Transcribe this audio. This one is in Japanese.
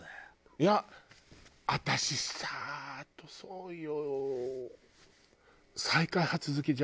いや私さあとそうよ。